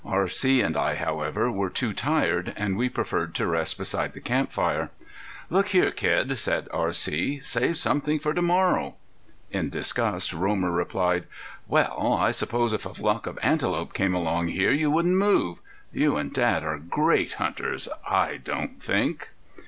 R.C. and I, however, were too tired, and we preferred to rest beside the camp fire. "Look here, kid," said R.C., "save something for to morrow." In disgust Romer replied: "Well, I suppose if a flock of antelope came along here you wouldn't move.... You an' Dad are great hunters, I don't think!"